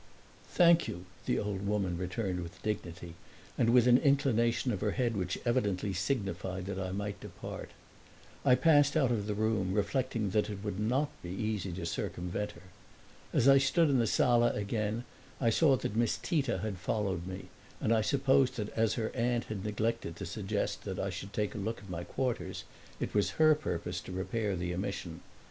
"Thank you," the old woman returned with dignity and with an inclination of her head which evidently signified that I might depart. I passed out of the room, reflecting that it would not be easy to circumvent her. As I stood in the sala again I saw that Miss Tita had followed me, and I supposed that as her aunt had neglected to suggest that I should take a look at my quarters it was her purpose to repair the omission.